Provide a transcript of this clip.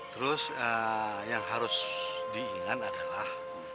terus yang harus diingat adalah